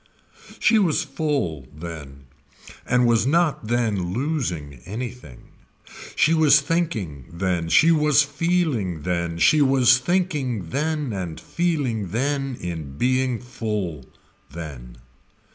She was full then and was not then losing anything. She was thinking then, she was feeling then, she was thinking then and feeling then in being full then.